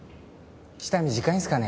舌短いんすかね。